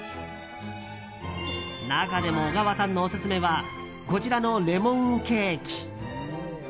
中でも、小川さんのオススメはこちらのレモンケーキ。